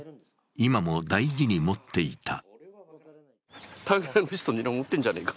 今も大事に持っていた。